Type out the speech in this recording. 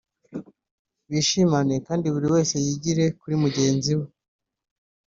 bishimane kandi buri wese yigire kuri mugenzi we